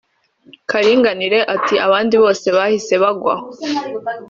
Karinganire ati “ abandi bose bahise bagwa aho